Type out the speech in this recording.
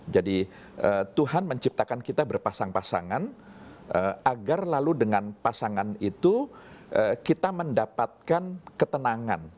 jadi tuhan menciptakan kita berpasang pasangan agar lalu dengan pasangan itu kita mendapatkan ketenangan